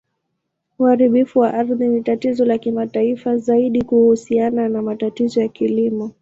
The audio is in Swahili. Uharibifu wa ardhi ni tatizo la kimataifa, zaidi kuhusiana na matumizi ya kilimo.